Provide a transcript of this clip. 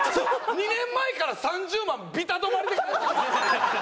２年前から３０万ビタ止まりで返してこない。